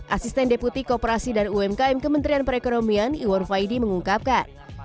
asisten deputi kooperasi dan umkm kementerian perekonomian iwar faidi mengungkapkan